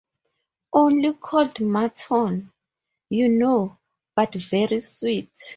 Only cold mutton, you know, but very sweet.